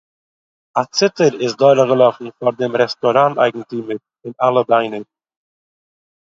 א ציטער איז דורכגעלאפן פאר דעם רעסטאראן-אייגנטימעראין אלע ביינער